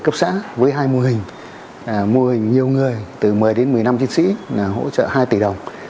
cấp xã với hai mô hình mô hình nhiều người từ một mươi đến một mươi năm chiến sĩ hỗ trợ hai tỷ đồng